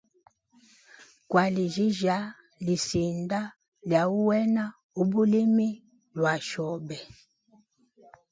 Kwaljija lisinda lya wena ubulimi bwa shobe.